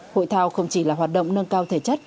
hội thao không chỉ là hoạt động nâng cao thể chất